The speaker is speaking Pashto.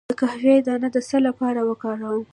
د قهوې دانه د څه لپاره وکاروم؟